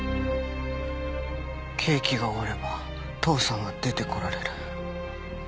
刑期が終われば父さんは出てこられる。